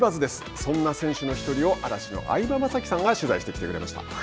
そんな選手の１人を嵐の相葉雅紀さんが取材してきてくれました。